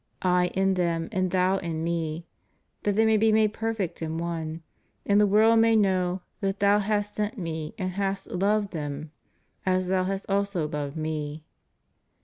... I in them and Thou in Me: that they may he made 'perfect in one: and the world may know that Thou hast sent Me and hast loved them, as Thou hast also loved Me.